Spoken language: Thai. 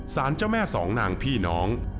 สารเจ้าแม่สองนางพี่น้อง